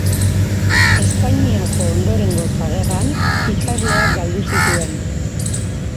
Espainiako Ondorengotza Gerran ikasleak galdu zituen.